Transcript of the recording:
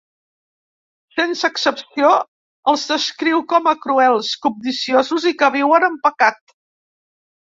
Sense excepció, els descriu com a cruels, cobdiciosos i que viuen en pecat.